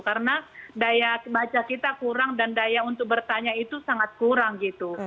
karena daya baca kita kurang dan daya untuk bertanya itu sangat kurang gitu